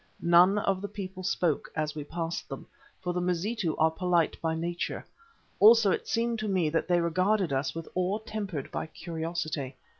None of the people spoke as we passed them, for the Mazitu are polite by nature; also it seemed to me that they regarded us with awe tempered by curiosity.